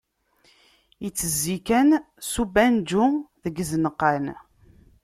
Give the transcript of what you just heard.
Itezzi kan s ubanju deg izenqan.